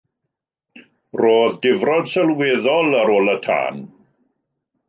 Roedd difrod sylweddol ar ôl y tân.